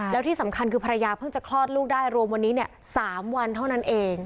แล้วที่สำคัญคือภรรยาเพิ่งจะคลอดลูกได้รวมวันนี้๓วันเท่านั้นเอง